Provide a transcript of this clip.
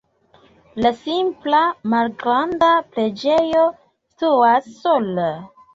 La simpla malgranda preĝejo situas sola.